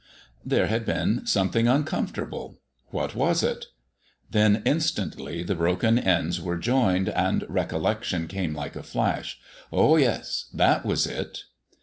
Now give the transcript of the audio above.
There had been something uncomfortable. What was it? Then instantly the broken ends were joined and recollection came like a flash. Oh yes; that was it!